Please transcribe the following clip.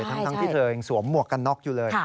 ทั้งที่เธอยังสวมหมวกกันน็อกอยู่เลย